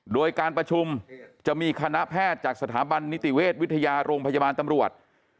โดยการประชุมจะมีคณะแพทย์จากสถาบันนิติเวชวิทยาโรงพยาบาลตำรวจ